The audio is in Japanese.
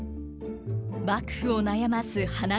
幕府を悩ます花見問題。